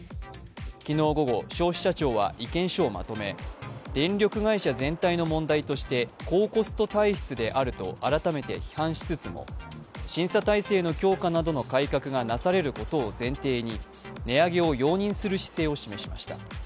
昨日午後、消費者庁は意見書をまとめ電力会社全体の問題として高コスト体質であると改めて批判しつつも、審査体制の強化などの改革がなされることを前提に値上げを容認する姿勢を示しました。